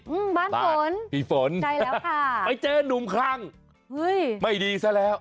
อืมบ้านฝนใจแล้วค่ะไปเจนหนุ่มครังไม่ดีซะแล้ว